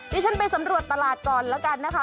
ดิฉันไปสำรวจตลาดก่อนแล้วกันนะคะ